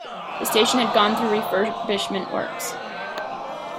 The station had gone through refurbishment works.